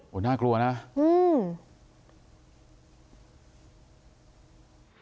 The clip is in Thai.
โหน่ากลัวนะอืม